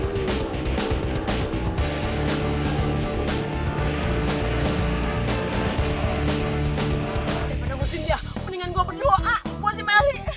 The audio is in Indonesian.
mendingan gue berdoa buat si meli